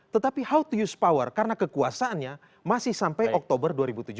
tetapi how to use power karena kekuasaannya masih sampai oktober dua ribu tujuh belas